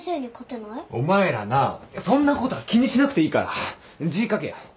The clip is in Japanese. お前らなそんなことは気にしなくていいから字書けよ。